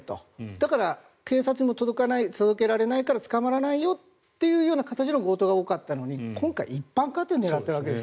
だから警察にも届けられないから捕まらないよという形の強盗が多かったのに今回、一般家庭を狙っているわけです。